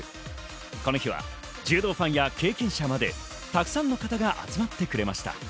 この日は柔道ファンや経験者まで、たくさんの方が集まってくれました。